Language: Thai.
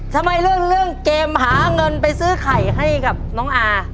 ทำไมเรื่องเกมหาเงินไปซื้อไข่ให้กับน้องอา